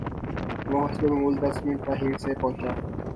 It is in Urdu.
وہ حسب معمول دس منٹ تا خیر سے پہنچا